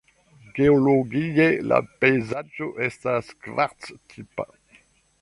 Geologie la pejzaĝo estas karst-tipa.